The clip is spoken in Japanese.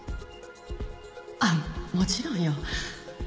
あっもちろんよ。